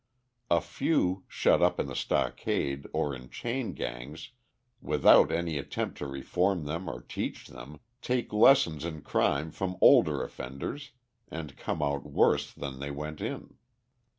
A few, shut up in the stockade, or in chain gangs, without any attempt to reform them or teach them, take lessons in crime from older offenders and come out worse than they went in.